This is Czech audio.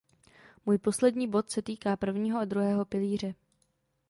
Můj poslední bod se týká prvního a druhého pilíře.